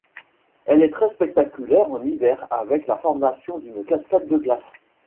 Elle est très spectaculaire en hiver avec la formation d'une cascade de glace.